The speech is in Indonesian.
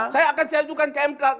saya akan sejujukan kmk